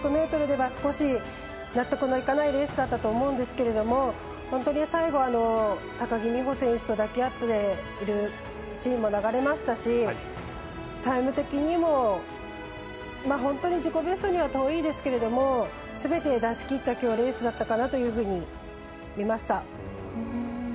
５００ｍでは、少し納得のいかないレースだったと思うんですけれども本当に最後は高木美帆選手と抱き合っているシーンも流れましたしタイム的にも本当に自己ベストには遠いですけれどもすべて出しきったレースだったかなと見ました。